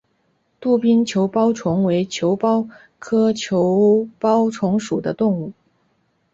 杜宾球孢虫为球孢科球孢虫属的动物。